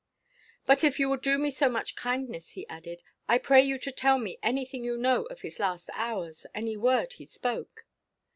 "But if you will do me so much kindness," he added, "I pray you to tell me anything you know of his last hours. Any word he spoke."